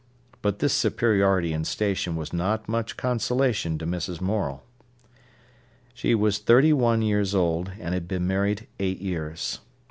But this superiority in station was not much consolation to Mrs. Morel. She was thirty one years old, and had been married eight years.